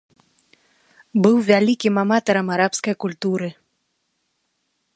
Быў вялікім аматарам арабскай культуры.